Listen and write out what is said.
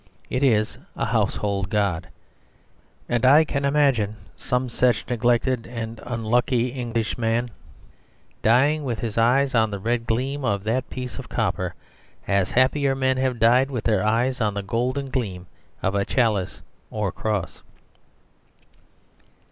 It is a household god. And I can imagine some such neglected and unlucky English man dying with his eyes on the red gleam of that piece of copper, as happier men have died with their eyes on the golden gleam of a chalice or a cross.